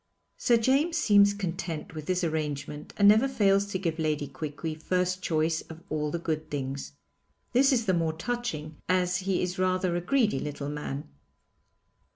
Sir James seems content with this arrangement and never fails to give Lady Quiqui first choice of all the good things. This is the more touching as he is rather a greedy little man.